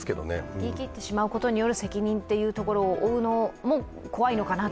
言いきってしまうことによる責任を負うのも怖いのかなと。